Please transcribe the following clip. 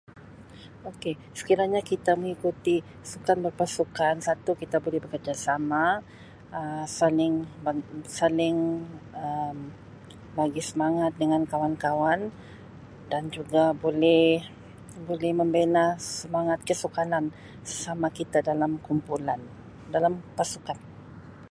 Ok sekiranya kita mengikuti sukan berpasukan satu kita boleh bekerjasama Um saling Um saling Um bagi semangat dengan kawan-kawan dan juga boleh boleh membina semangat kesukanan sesama kita dalam kumpulan dalam pasukan.